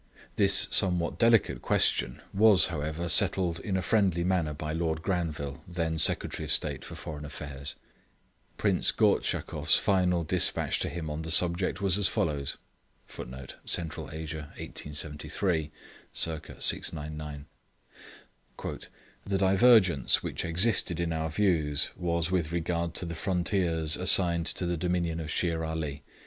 This somewhat delicate question was, however, settled in a friendly manner by Lord Granville, then Secretary of State for Foreign Affairs. Prince Gortschakoff's final despatch to him on the subject was as follows: [Footnote: Central Asia, 1873 c. 699.] 'The divergence which existed in our views was with regard to the frontiers assigned to the dominion of Shere Ali.